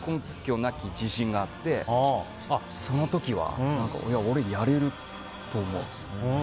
なき自信があってその時は、俺やれると思うって。